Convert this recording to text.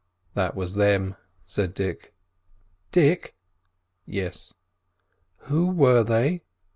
"That was them," said Dick. "Dick!" "Yes?" "Who were they?"